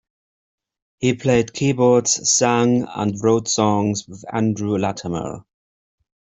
He played keyboards, sang, and wrote songs with Andrew Latimer.